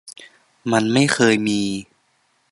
มันไม่เคยมี